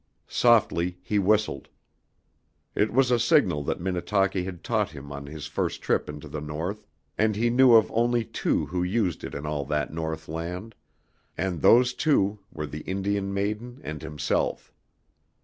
Softly he whistled. It was a signal that Minnetaki had taught him on his first trip into the North, and he knew of only two who used it in all that Northland, and those two were the Indian maiden and himself.